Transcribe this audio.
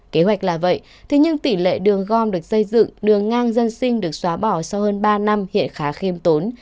kế hoạch là vậy thế nhưng tỷ lệ đường gom được xây dựng đường ngang dân sinh được xóa bỏ sau hơn ba năm hiện khá khiêm tốn